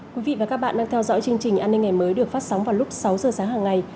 các bạn đang theo dõi chương trình an ninh ngày mới được phát sóng vào lúc sáu giờ sáng hằng ngày